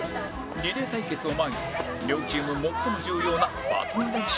リレー対決を前に両チーム最も重要なバトン練習